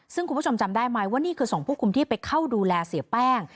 ซึ่งคุณผู้ชมจำได้ไหมว่านี่คือสองผู้คุมที่ไปเข้าดูแลเสียแป้ง